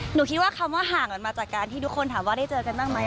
หนูคิดว่าคำว่าห่างกันมาจากการที่ทุกคนถามว่าได้เจอกันบ้างไหม